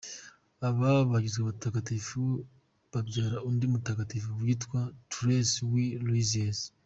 Aba bagizwe abatagatifu babyara undi mutagatifu witwa Therèse w’i Lisieux.